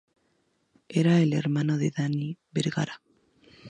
Era el hermano de Danny Bergara.